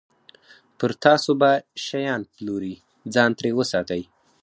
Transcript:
پر تاسو به شیان پلوري، ځان ترې وساتئ.